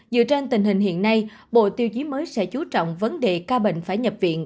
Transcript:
dựa trên tình hình hiện nay bộ tiêu chí mới sẽ chú trọng vấn đề ca bệnh phải nhập viện